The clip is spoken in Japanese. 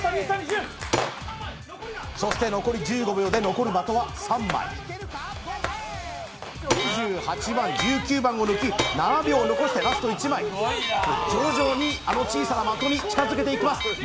そして残り１５秒で残る的は３枚２８番１９番を抜き７秒残してラスト１枚徐々にあの小さな的に近づけていきます